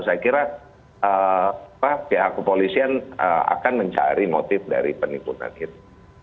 saya kira pihak kepolisian akan mencari motif dari penipuan itu